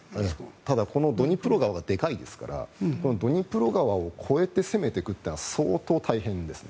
ただ、このドニプロ川が結構でかいですからドニプロ川を越えて攻めていくというのは相当大変です。